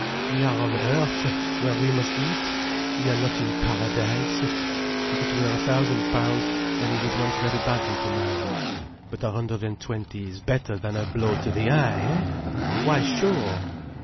We are on earth, where we must eat. We are not in Paradise. If it were a thousand pounds, then he would want very badly to marry you. But a hundred and twenty is better than a blow to the eye, eh? Why sure!"